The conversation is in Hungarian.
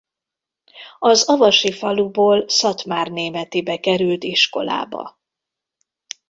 Az avasi faluból Szatmárnémetibe került iskolába.